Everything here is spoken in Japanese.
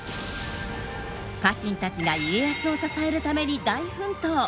家臣たちが家康を支えるために大奮闘！